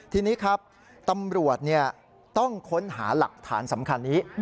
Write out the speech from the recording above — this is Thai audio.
ทีนี้ครับตำรวจต้องค้นหาหลักฐานสำคัญนี้